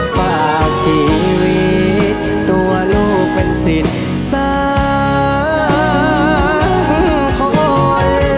ฝากชีวิตตัวลูกเป็นสิทธิ์สาคอย